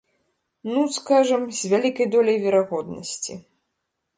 Ну, скажам, з вялікай доляй верагоднасці.